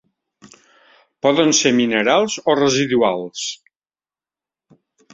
Poden ser minerals o residuals.